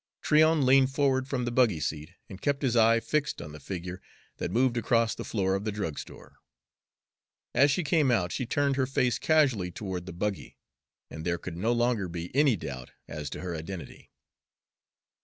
Tryon leaned forward from the buggy seat and kept his eye fixed on the figure that moved across the floor of the drugstore. As she came out, she turned her face casually toward the buggy, and there could no longer be any doubt as to her identity.